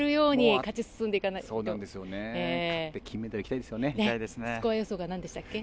勝って金メダルいきたいですね。